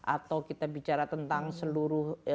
atau kita bicara tentang seluruh